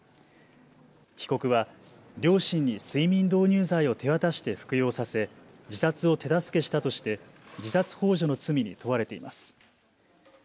被告は両親に睡眠導入剤を手渡して服用させ自殺を手助けしたとして自殺ほう助の罪に問われています。